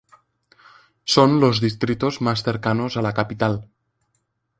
Son los distritos más cercanos a la capital.